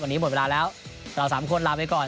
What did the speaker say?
วันนี้หมดเวลาแล้วเราสามคนลาไปก่อน